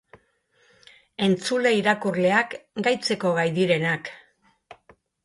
Entzule-irakurleak gaitzeko gai direnak.